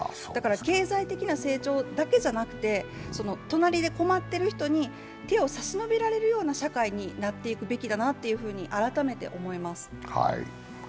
経済的な成長だけでなくて隣で困っている人に手を差し伸べられるような社会になっていくべきだなと改めて思います。